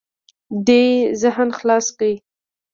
دې ذهن خلاص کړه.